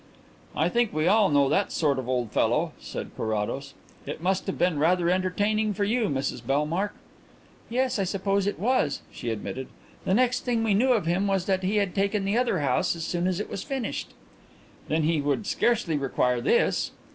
"I think we all know that sort of old fellow," said Carrados. "It must have been rather entertaining for you, Mrs Bellmark." "Yes, I suppose it was," she admitted. "The next thing we knew of him was that he had taken the other house as soon as it was finished." "Then he would scarcely require this?"